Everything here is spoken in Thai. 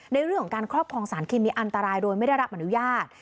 ในเรื่องของการครอบครองสารเคมีอันตรายโดยไม่ได้รับอนุญาต